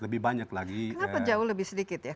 lebih banyak lagi kenapa jauh lebih sedikit ya